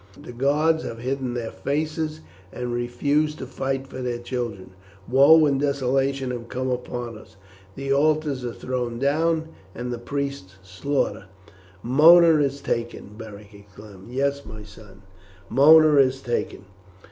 The gods have hidden their faces and refused to fight for their children. Woe and desolation have come upon us. The altars are thrown down and the priests slaughtered." "Mona is taken!" Beric exclaimed. "Yes, my son, Mona is taken.